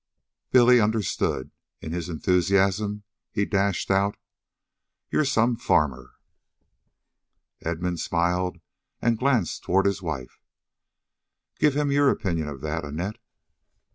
Billy understood. In his enthusiasm he dashed out: "You're some farmer." Edmund smiled and glanced toward his wife. "Give him your opinion of that, Annette."